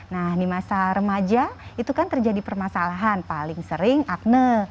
nah di masa remaja itu kan terjadi permasalahan paling sering akne